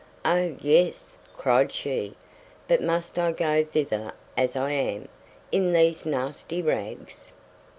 "Oh! yes," cried she; "but must I go thither as I am, in these nasty rags?"